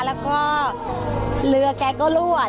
แล้วก็เรือเขาก็รวด